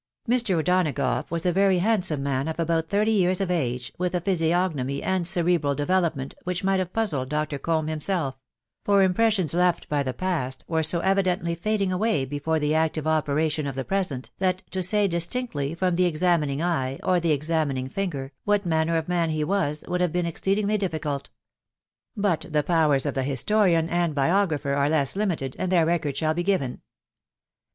Mr. O'Donagough was a very handsome man of about thirty years of age, with a physiognomy and cerebral development which might have puzzled Dr. Combe himself j for the im pressions left by the past were so evidently fading away before the active operation of the present, that to say dis tinctly from the examining eye, or the examining finger, what manner of man he was, would have been exceedingly difficult. But the powers of the historian and biographer are less limited, and their record shall be given.